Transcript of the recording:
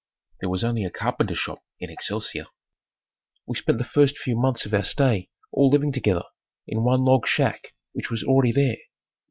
There was only a carpenter shop in Excelsior. We spent the first few months of our stay all living together in one log shack which was already there.